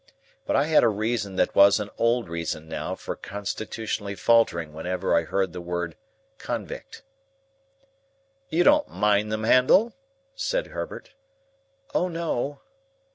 But I had a reason that was an old reason now for constitutionally faltering whenever I heard the word "convict." "You don't mind them, Handel?" said Herbert. "O no!"